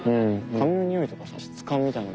紙のにおいとかさ質感みたいなの